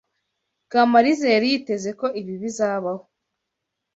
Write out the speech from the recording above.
Kamaliza yari yiteze ko ibi bizabaho.